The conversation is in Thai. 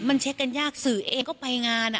มันเช็คกันยากสื่อเองก็ไปงาน